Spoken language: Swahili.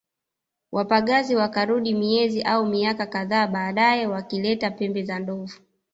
Wapagazi wakarudi miezi au miaka kadhaa baadae wakileta pembe za ndovu